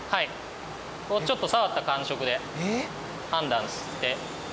ちょっと触った感触で判断して。